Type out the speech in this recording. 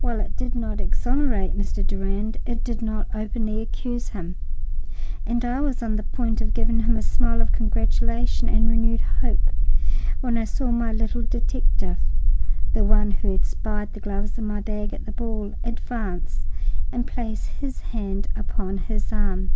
While it did not exonerate Mr. Durand, it did not openly accuse him, and I was on the point of giving him a smile of congratulation and renewed hope when I saw my little detective—the one who had spied the gloves in my bag at the ball—advance and place his hand upon his arm.